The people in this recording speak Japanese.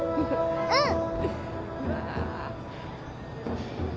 うん！